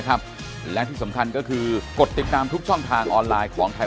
ครับและที่สำคัญก็คือกดติดตามทุกช่องทางออนไลน์ของไทย